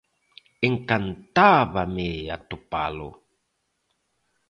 Encantábame atopalo.